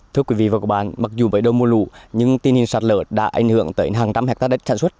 thưa quý vị và các bạn mặc dù với đầu mùa lũ nhưng tình hình sạt lở đã ảnh hưởng tới hàng trăm hectare đất sản xuất